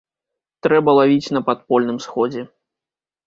Трэба лавіць на падпольным сходзе.